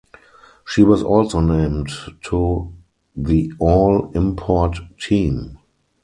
She was also named to the all import team.